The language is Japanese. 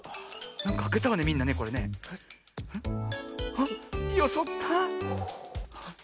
あっよそった。